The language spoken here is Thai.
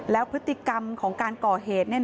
แล้วพฤติกรรมของการก่อเหตุ